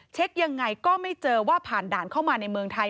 เช็คยังไงก็ไม่เจอว่าผ่านด่านเข้ามาในเมืองไทย